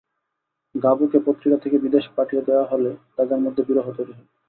গাবোকে পত্রিকা থেকে বিদেশে পাঠিয়ে দেওয়া হলে তাঁদের মধ্যে বিরহ তৈরি হয়।